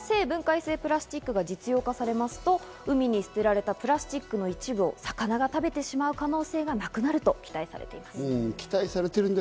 この生分解性プラスチックが実用化されますと、海に捨てられたプラスチックの一部を魚が食べてしまう可能性がなくなると期待されています。